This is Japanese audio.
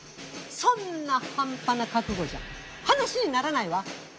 そんな半端な覚悟じゃ話にならないわ。